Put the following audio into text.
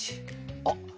あっ！